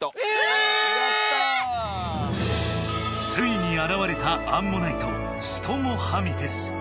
ついにあらわれたアンモナイトストモハミテス。